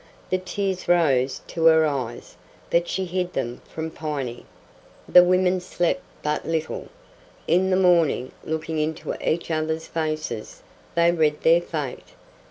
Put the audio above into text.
The tears rose to her eyes, but she hid them from Piney. The women slept but little. In the morning, looking into each other's faces, they read their fate.